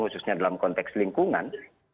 khususnya dalam konteks lingkungan